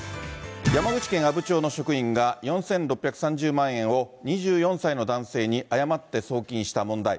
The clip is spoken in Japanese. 山口県阿武町の職員が、４６３０万円を、２４歳の男性に誤って送金した問題。